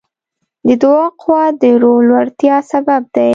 د دعا قوت د روح لوړتیا سبب دی.